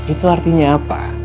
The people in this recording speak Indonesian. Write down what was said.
itu artinya apa